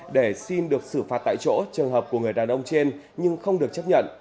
để xin được xử phạt tại chỗ trường hợp của người đàn ông trên nhưng không được chấp nhận